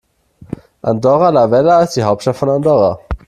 Andorra la Vella ist die Hauptstadt von Andorra.